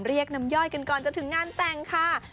เรียกน้ำย่อยกันก่อนจะถึงงานแต่งค่ะ